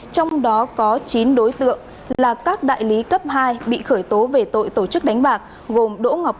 trong đó có chín đối tượng là các đại lý cấp hai bị khởi tố về tội tổ chức đánh bạc